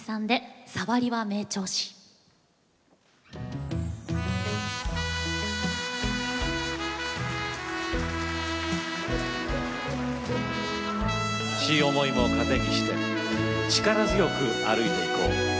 悔しい思いを糧にして力強く歩いていこう。